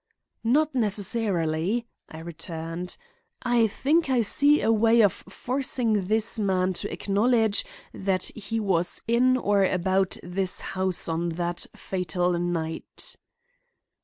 "Not necessarily," I returned. "I think I see a way of forcing this man to acknowledge that he was in or about this house on that fatal night."